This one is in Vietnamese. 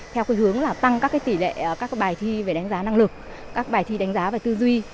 theo cái hướng là tăng các cái tỷ lệ các cái bài thi về đánh giá năng lực các bài thi đánh giá về tư duy